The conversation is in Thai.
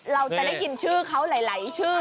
เราจะได้ยินชื่อเขาหลายชื่อ